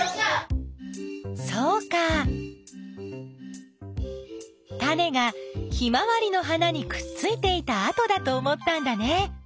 そうかタネがヒマワリの花にくっついていたあとだと思ったんだね。